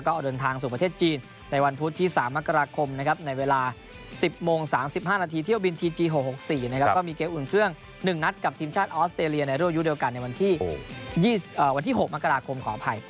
ก็มีเกลียดอุ่นเครื่อง๑นัดกับทีมชาติออสเตรเลียในร่วมยุคเดียวกันในวันที่๖มกราคมขออภัย